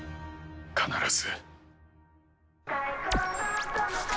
必ず。